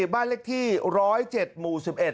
บ้านเลขที่๑๐๗หมู่๑๑